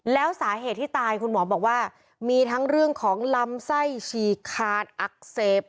แล้วสาเหตุที่ตายคุณหมอบอกว่ามีทั้งเรื่องของลำไส้ฉีกขาดอักเสบ